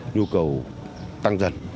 nhu cầu tăng dần